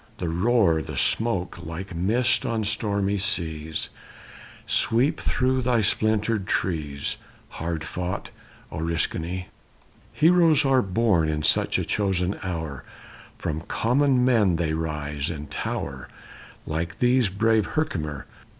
The roar, the smoke, like mist on stormy seas, Sweep through thy splintered trees, Hard fought Oriskany. Heroes are born in such a chosen hour; From common men they rise, and tower, Like thee, brave Herkimer!